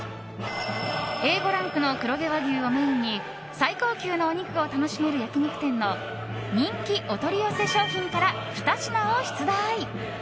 Ａ５ランクの黒毛和牛をメインに最高級のお肉を楽しめる焼き肉店の人気お取り寄せ商品から２品を出題。